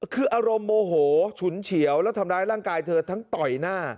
คืออารมณ์โมโหฉุนเฉียวและทำร้ายร่างกายเธอทั้งต่อยหน้า